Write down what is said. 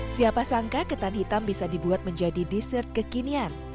siapa sangka ketan hitam bisa dibuat menjadi dessert kekinian